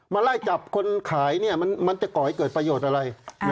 ไล่จับคนขายเนี่ยมันจะก่อให้เกิดประโยชน์อะไร